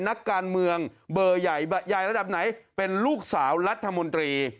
นักการเมืองเบอร์ใหญ่ใหญ่ระดับไหนเป็นลูกสาวรัฐมนตรี